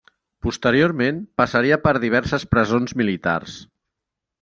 Posteriorment passaria per diverses presons militars.